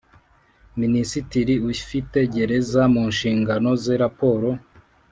Minisitiri ufite Gereza mu nshingano ze raporo